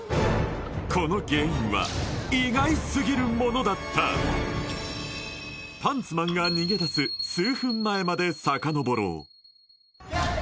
この原因は意外すぎるものだったパンツマンが逃げ出す数分前まで遡ろう